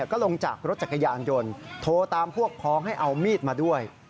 ก็ลงจากรถจักรยานยนต์โทรตามพวกพ้องให้เอามีดมาด้วย